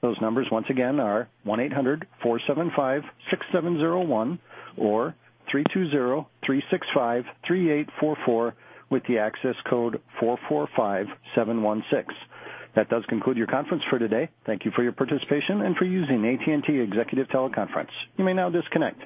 Those numbers once again are 1-800-475-6701 or 3203653844 with the access code 445716. That does conclude your conference for today. Thank you for your participation and for using AT&T Executive Teleconference. You may now disconnect.